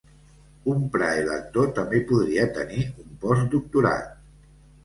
Un praelector també podria tenir un postdoctorat.